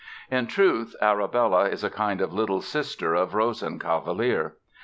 In truth, Arabella is a kind of little sister of Rosenkavalier.